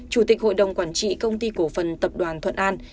chủ tịch hội đồng quản trị công ty cổ phần tập đoàn thuận an